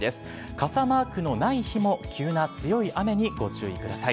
傘マークのない日も急な強い雨にご注意ください。